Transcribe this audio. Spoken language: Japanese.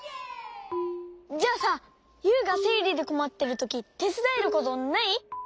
じゃあさユウがせいりでこまってるときてつだえることない？